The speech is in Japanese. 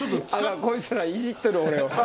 こいつらいじってる俺を。